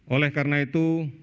oleh karena itu